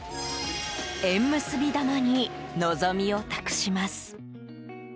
縁結び玉に望みを託します。